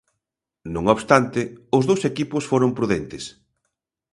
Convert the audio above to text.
Non obstante, os dous equipos foron prudentes.